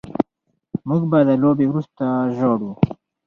موږ به د لوبې وروسته ژاړو